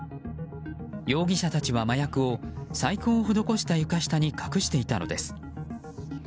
容疑者たちは麻薬を細工を施した床下に隠していたのです。